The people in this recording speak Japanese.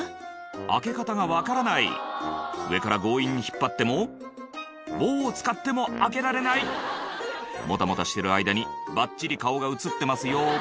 開け方が分からない上から強引に引っ張っても棒を使っても開けられないもたもたしてる間にばっちり顔が映ってますよ